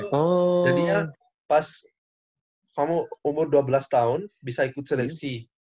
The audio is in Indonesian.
oh jadinya pas kamu umur dua belas tahun bisa ikut seleksi